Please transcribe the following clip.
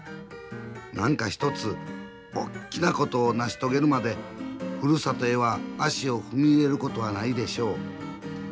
何か一つおっきなことを成し遂げるまでふるさとへは足を踏み入れることはないでしょう」。